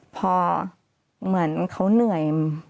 พอเหมือนเขาเหนื่อย